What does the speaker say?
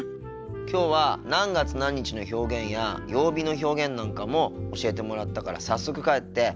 きょうは何月何日の表現や曜日の表現なんかも教えてもらったから早速帰って復習しようと思ってるよ。